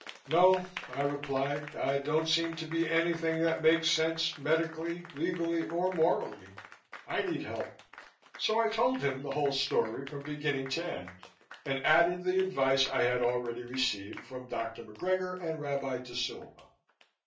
"No," I replied. "I don't seem to be anything that makes sense medically, legally or morally. I need help." So I told him the whole story from beginning to end, and added the advice I had already received from Dr. McGregor and Rabbi Da Silva.